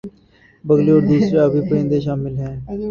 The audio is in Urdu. بگلے اور دوسرے آبی پرندے شامل ہیں